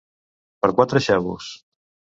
Per quatre xavos.